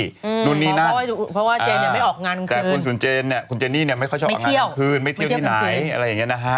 เพราะว่าเจนเนี่ยไม่ได้ออกงานกลางคืนแต่คุณเจนเนี่ยคุณเจนเนี่ยไม่ชอบออกงานกลางคืนไม่เที่ยวที่ไหนอะไรอย่างเงี้ยนะฮะ